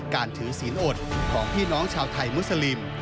การถือศีลอดของพี่น้องชาวไทยมุสลิม